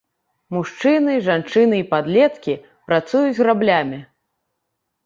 Мужчыны, жанчыны і падлеткі працуюць граблямі.